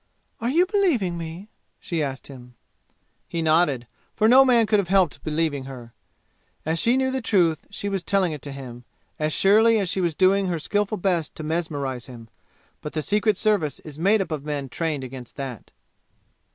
"Are you believing me?" she asked him. He nodded, for no man could have helped believing her. As she knew the truth, she was telling it to him, as surely as she was doing her skillful best to mesmerize him. But the Secret Service is made up of men trained against that.